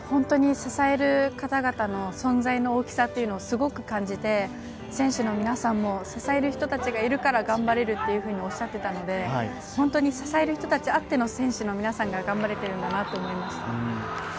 支える方々の存在の大きさというのをすごく感じて、選手の皆さんも支える人たちがいるから頑張れるというふうにおっしゃっていたので、支える人たちあって選手の皆さんが頑張れているんだなと思いました。